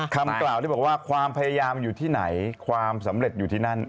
คำกล่าวที่บอกว่าความพยายามอยู่ที่ไหนความสำเร็จอยู่ที่นั่น